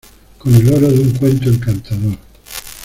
Con el oro de un cuento encantador.